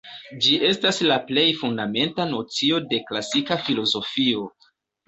Ĝi estas la plej fundamenta nocio de klasika filozofio.